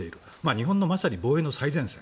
日本のまさに防衛の最前線。